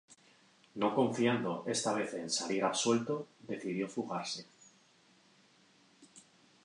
No confiando esta vez en salir absuelto, decidió fugarse.